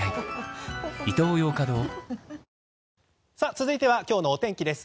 続いては今日のお天気です。